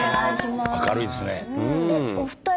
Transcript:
明るいですね。